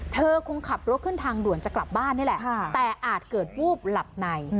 เธอคงขับรถขึ้นทางด่วนจะกลับบ้านนี่แหละแต่อาจเกิดวูบหลับใน